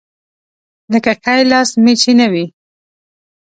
لکه ښی لاس مې چې نه وي.